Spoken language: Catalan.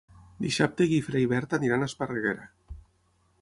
Dissabte en Guifré i na Berta aniran a Esparreguera.